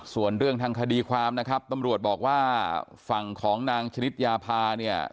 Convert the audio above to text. ส่วนเรื่องทางคดีความนะครับตำรวจบอกว่าฝั่งของนางชนิดยาพาเนี่ย